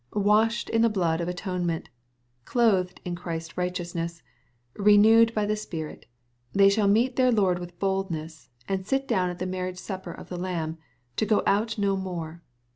Washed in the blood of atonement, clothed in Christ's righteousness, renewed by the Spirit, they shall meet their Lord with boldness, and sit down at the marriage supper of the Lamb, to go out no more.